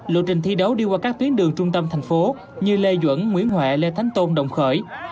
lộ trình thi đấu đi qua các tuyến đường trung tâm thành phố như lê duẩn nguyễn huệ lê thánh tôn đồng khởi